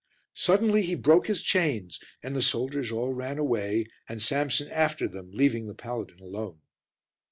Suddenly he broke his chains, and the soldiers all ran away and Samson after them, leaving the paladin alone.